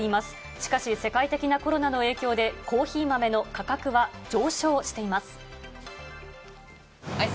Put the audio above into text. しかし、世界的なコロナの影響で、コーヒー豆の価格は上昇しています。